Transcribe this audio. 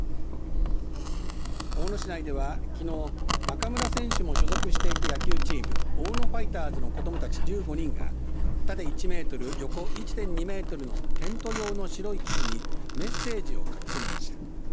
大野市内ではきのう中村選手も所属していた野球チーム大野ファイターズの子どもたち１５人が縦１メートル横１．２メートルのテント用の白い生地にメッセージを書き込みました。